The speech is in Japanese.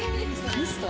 ミスト？